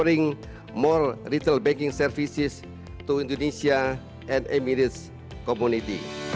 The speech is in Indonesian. dengan memberikan lebih banyak perusahaan bank ke indonesia dan komunitas emirat